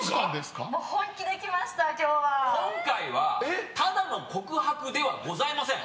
今回はただの告白ではございません。